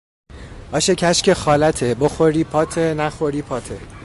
آش کشک خالته، بخوری پاته نخوری پاته